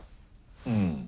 うん。